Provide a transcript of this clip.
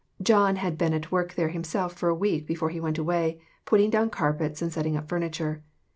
John had been at work there himself for a week before he went away, putting down carpets and setting up furniture.